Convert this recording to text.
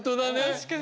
確かに。